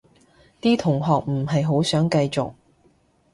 啲同學唔係好想繼續